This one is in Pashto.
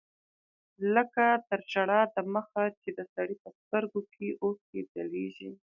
لکه تر ژړا د مخه چې د سړي په سترګو کښې اوښکې ځلېږي.